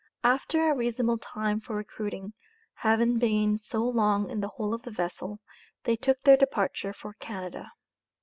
After a reasonable time for recruiting, having been so long in the hole of the vessel, they took their departure for Canada.